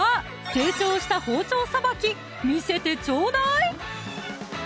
成長した包丁さばき見せてちょうだい！